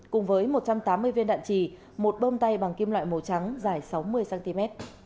cùng với một trăm tám mươi viên đạn trì một bơm tay bằng kim loại màu trắng dài sáu mươi cm